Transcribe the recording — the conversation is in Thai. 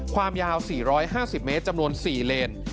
ความยาว๔๕๐เมตรจำนวน๔เลน